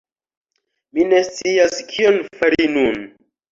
Mi ne scias kion fari nun.